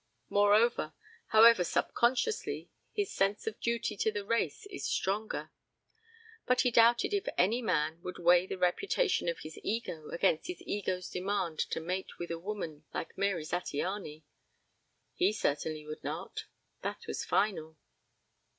Moreover, however subconsciously, his sense of duty to the race is stronger. ... But he doubted if any man would weigh the repetition of his ego against his ego's demand to mate with a woman like Mary Zattiany. He certainly would not. That was final.